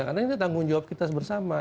karena ini tanggung jawab kita bersama